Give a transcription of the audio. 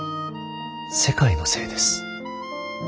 世界のせいです。